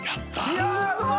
いやうまい！